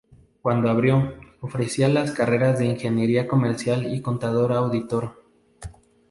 Cuando abrió, ofrecía las carreras de Ingeniería Comercial y Contador Auditor.